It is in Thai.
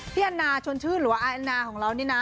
แอนนาชนชื่นหรือว่าอาแอนนาของเรานี่นะ